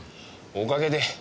おかげで。